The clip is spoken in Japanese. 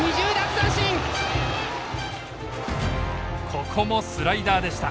ここもスライダーでした。